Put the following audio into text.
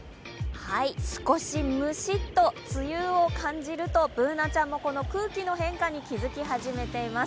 少しむしっと梅雨を感じるとＢｏｏｎａちゃんもこの空気の変化に気付き始めています。